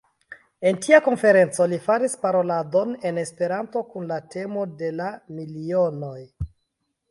En tia konferenco li faris paroladon en Esperanto kun la temo de la Milionoj.